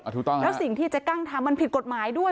ถูกต้องแล้วสิ่งที่เจ๊กั้งทำมันผิดกฎหมายด้วย